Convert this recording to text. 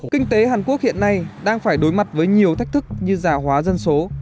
kinh tế hàn quốc hiện nay đang phải đối mặt với nhiều thách thức như giả hóa dân số